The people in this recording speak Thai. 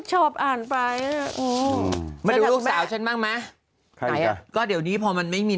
ชอบอ่านไปโอ้มาดูลูกสาวฉันบ้างไหมไหนอ่ะก็เดี๋ยวนี้พอมันไม่มี